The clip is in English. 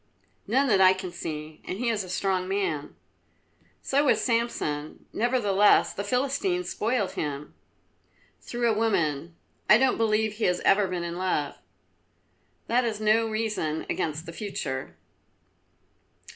"None that I can see, and he is a strong man." "So was Samson, nevertheless the Philistines spoiled him." "Through a woman. I don't believe he has ever been in love." "That is no reason against the future."